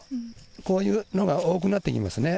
こういうのが多くなってきますね。